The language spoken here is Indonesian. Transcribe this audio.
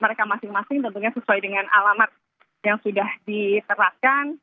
mereka masing masing tentunya sesuai dengan alamat yang sudah diterapkan